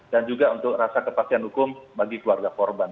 dan juga untuk rasa kepastian hukum bagi keluarga korban